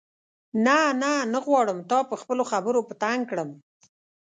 نه نه نه غواړم تا په خپلو خبرو په تنګ کړم.